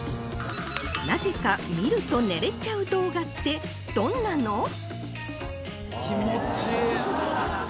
なぜか見ると寝れちゃう動画ってどんなの？